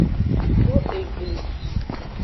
Do egli.